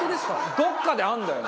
どっかであるんだよね。